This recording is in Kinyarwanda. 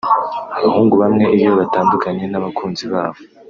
Abahungu bamwe iyo batandukanye n’abakunzi babo